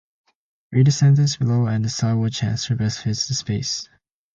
Read the sentence below and decide which answer best fits the space.